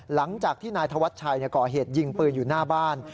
หลังจากที่นายธวัชชัยก่อเหตุยิงปืนอยู่หน้าบ้าน